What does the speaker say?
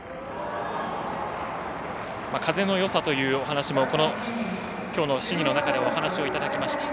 風のよさというお話もきょうの試技の中ではお話をいただきました。